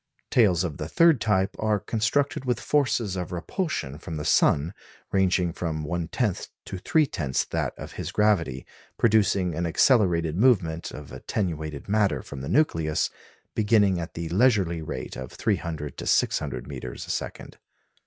Tails of the third type are constructed with forces of repulsion from the sun ranging from one tenth to three tenths that of his gravity, producing an accelerated movement of attenuated matter from the nucleus, beginning at the leisurely rate of 300 to 600 metres a second.